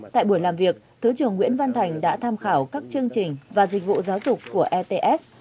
tại buổi làm việc thứ trưởng nguyễn văn thành đã tham khảo các chương trình và dịch vụ giáo dục của ets